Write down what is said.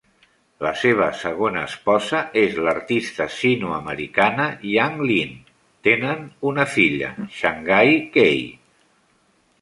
La seva segona esposa és l'artista sinoamericana Yan Lin; tenen una filla, Shanghai Kaye.